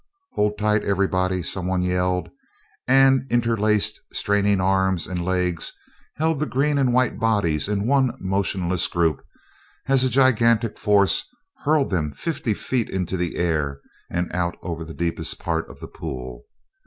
"Hold tight, everybody!" someone yelled, and interlaced, straining arms and legs held the green and white bodies in one motionless group as a gigantic force hurled them fifty feet into the air and out over the deepest part of the pool.